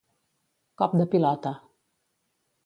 Cop de pilota.